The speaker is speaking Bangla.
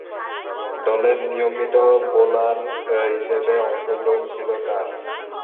দলের নিয়মিত বোলার হিসেবে অংশগ্রহণ ছিল তার।